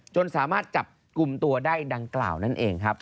สามารถจับกลุ่มตัวได้ดังกล่าวนั่นเองครับ